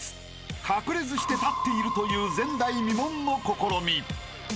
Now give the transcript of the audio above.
隠れずして立っているという前代未聞の試み！］